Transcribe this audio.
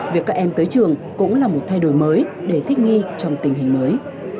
việc các em tới trường cũng là một thay đổi mới để thích nghi trong tình hình mới